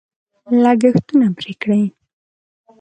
لګښتونه پرې کړي.